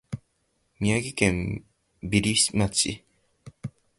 宮城県美里町